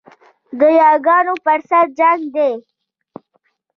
د یاګانو پر سر جنګ دی